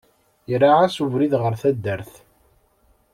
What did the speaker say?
Iraε-as ubrid ɣer taddart.